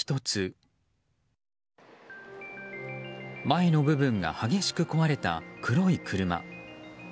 前の部分が激しく壊れた黒い車。